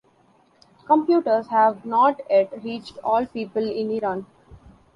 Computers have not yet reached all people in Iran.